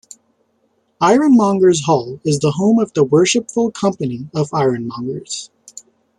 Ironmongers' Hall is the home of the Worshipful Company of Ironmongers.